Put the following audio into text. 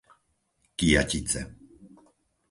Kyjatice